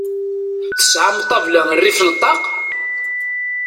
Tesɛam ṭabla rrif n ṭaq?